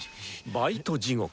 「バイト地獄」。